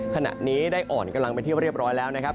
ขณะนี้ได้อ่อนกำลังเป็นที่เรียบร้อยแล้วนะครับ